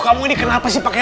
kamu ini kenapa sih pakai